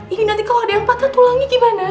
ini nanti kalau ada yang patah tulangnya gimana